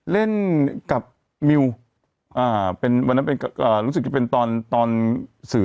เล่นกับมิวอ่าเป็นวันนั้นเป็นอ่ารู้สึกจะเป็นตอนตอนสื่อ